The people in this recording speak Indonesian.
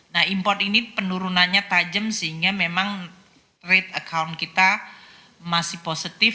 nah import ini penurunannya tajam sehingga memang rate account kita masih positif